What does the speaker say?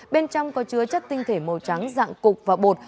bên trong có chứa chất tinh thể màu trắng dạng cục và bột